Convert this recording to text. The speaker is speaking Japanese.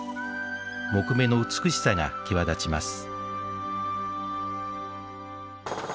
木目の美しさが際立ちます。